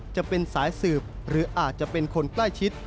จะเป็นสายสืบหรืออาจจะเป็นคนใกล้ชิด